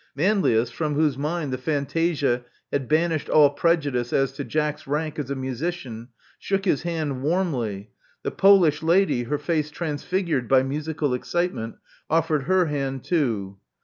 Manlius, from whose mind the fantasia had banished all prejudice as to Jack's rank as a musician, shook his hand warmly. The Polish lady, her face transfigured by musical excitement, offered her hand too.